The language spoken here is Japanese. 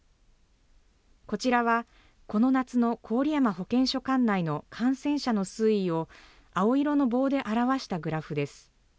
こちらはこの夏の郡山保健所管内の感染者の推移を青色の棒で表したグラフです。